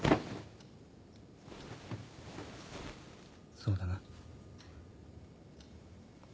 そうだな。